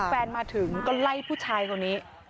แฟนมาถึงก็ไล่ผู้ชายคนนี้